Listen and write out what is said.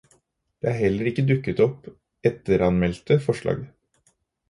Det er heller ikke dukket opp etteranmeldte forslag.